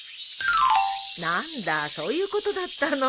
何だそういうことだったの。